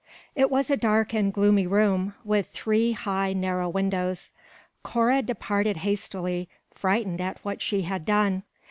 It was a dark and gloomy room, with three high, narrow windows. Cora departed hastily, frightened at what she had done.